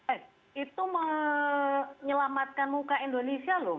eh itu menyelamatkan muka indonesia loh